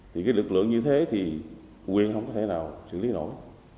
thì cái lực lượng như thế thì quyền không có thể nào xử lý nổi